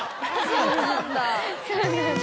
・そうなんだ・へぇ。